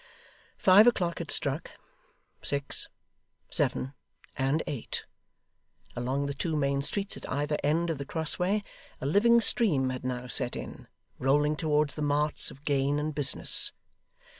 Five o'clock had struck six seven and eight. Along the two main streets at either end of the cross way, a living stream had now set in, rolling towards the marts of gain and business.